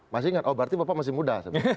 masih ingat oh berarti bapak masih muda